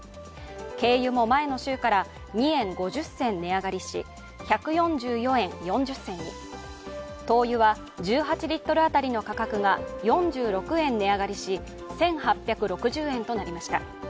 軽油も前の週から２円５０銭値上がりし１４４円４０銭に、灯油は１８リットル当たりの価格が４６円値上がりし１８６０円となりました。